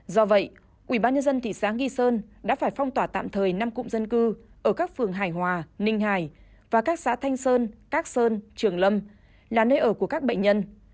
do vậy ubnd thị xã nghi sơn đã phải phong tỏa tạm thời năm cụm dân cư ở các phường hải hòa ninh hải và các xã thanh sơn các sơn trường lâm là nơi ở của các bệnh nhân